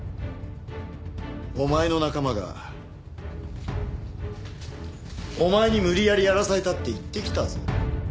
お前の仲間がお前に無理やりやらされたって言ってきたぞ。